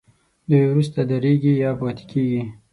دوی وروسته درېږي یا پاتې کیږي.